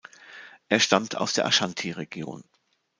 Er stammt aus der Ashanti Region.